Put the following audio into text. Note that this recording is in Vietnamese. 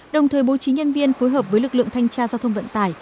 đồng thời bố trí nhân viên phối hợp với lực lượng thanh tra giao thông vận tải